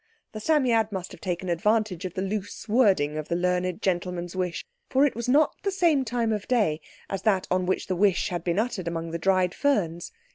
The Psammead must have taken advantage of the loose wording of the learned gentleman's wish, for it was not the same time of day as that on which the wish had been uttered among the dried ferns.